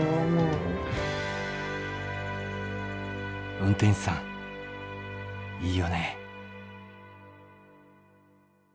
運転手さんいいよね。